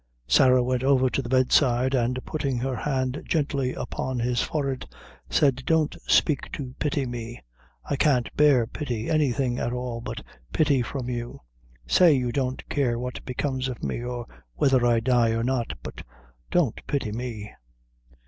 Sarah went over to the bedside, and putting her hand gently upon his forehead, said "Don't spake to pity me I can't bear pity; anything at all but pity from you. Say you don't care what becomes of me, or whether I die or not but don't pity me."